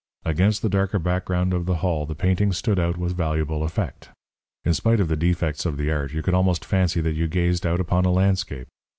Against the darker background of the hall the painting stood out with valuable effect. In spite of the defects of the art you could almost fancy that you gazed out upon a landscape.